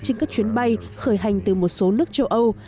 trên các chuyến bay khởi hành từ một số nước châu âu